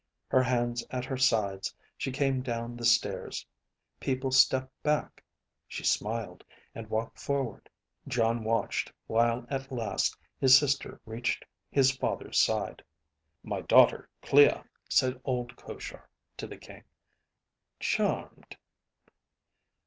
Her hands at her sides, she came down the stairs. People stepped back; she smiled, and walked forward. Jon watched while at last his sister reached his father's side. "My daughter Clea," said old Koshar to the King. "Charmed."